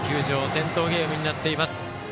点灯ゲームになっています。